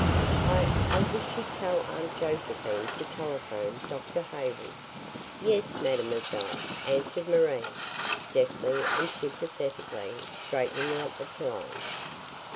"I I wish you'd tell Aunt Josephine to telephone Dr. Hayward." "Yes, mademoiselle," answered Marie, deftly and sympathetically straightening out the pillows.